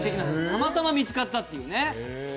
たまたま見つかったというね。